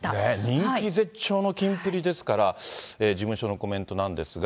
人気絶頂のキンプリですから、事務所のコメントなんですが。